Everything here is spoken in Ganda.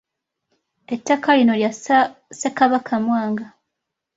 Ettaka lino lya Ssekabaka Mwanga.